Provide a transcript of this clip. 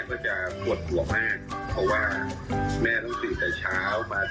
เป็นเด็กหรือเป็นเด็กมาก